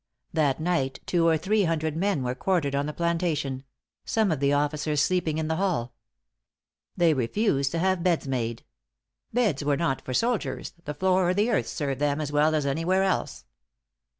That night two or three hundred men were quartered on the plantation some of the officers sleeping in the hall. They refused to have beds made. "Beds were not for soldiers; the floor or the earth served them as well as anywhere else."